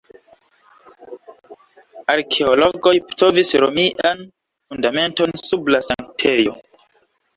Arkeologoj trovis romian fundamenton sub la sanktejo.